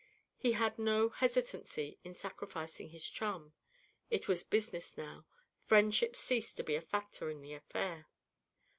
He had no hesitancy in sacrificing his chum. It was business now; friendship ceased to be a factor in the affair.